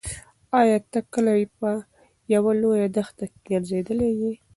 ایا ته کله په یوه لویه دښته کې ګرځېدلی یې؟